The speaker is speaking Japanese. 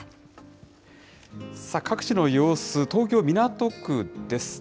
各地の様子、東京・港区です。